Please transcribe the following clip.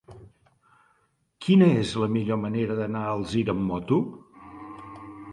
Quina és la millor manera d'anar a Alzira amb moto?